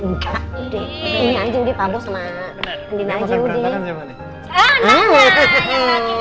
ini aja udi pabos sama andina aja udi